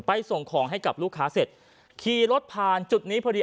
ส่งของให้กับลูกค้าเสร็จขี่รถผ่านจุดนี้พอดี